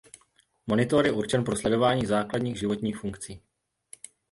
Monitor je určen pro sledování základních životních funkcí.